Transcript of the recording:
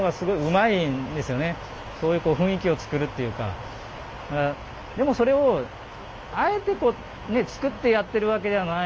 そういうこう雰囲気を作るっていうかでもそれをあえてこうね作ってやってるわけじゃない。